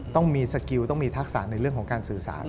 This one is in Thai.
ต้องมีสกิลต้องมีทักษะในเรื่องของการสื่อสาร